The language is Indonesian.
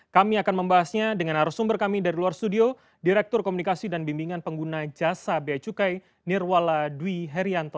kami akan membahasnya dengan arsumber kami dari luar studio direktur komunikasi dan bimbingan pengguna jasa beacukai nirwala dwi herianto